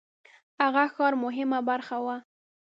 هغه ښار مهمه برخه وه.